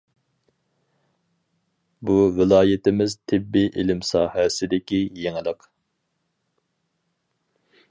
بۇ ۋىلايىتىمىز تېببىي ئىلىم ساھەسىدىكى يېڭىلىق.